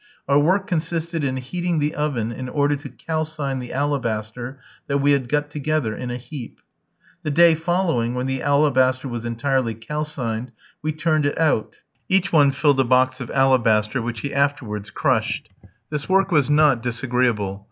Our work consisted in heating the oven in order to calcine the alabaster that we had got together in a heap. The day following, when the alabaster was entirely calcined, we turned it out. Each one filled a box of alabaster, which he afterwards crushed. This work was not disagreeable.